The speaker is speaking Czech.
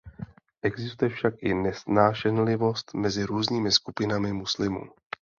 Existuje však i nesnášenlivost mezi různými skupinami muslimů.